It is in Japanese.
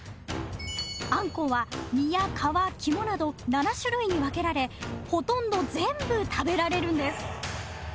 あんこうは身や皮肝など７種類に分けられほとんど全部食べられるんです。